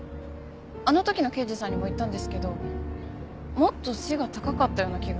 あの時の刑事さんにも言ったんですけどもっと背が高かったような気がして。